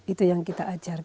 itu yang kita ajarkan